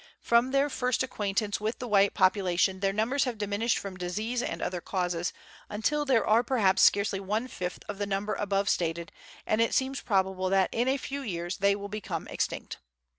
From their first acquaintance with the white population, their numbers have diminished from disease and other causes, until there are perhaps scarcely one fifth of the number above stated, and it seems probable that in a few years they will become extinct.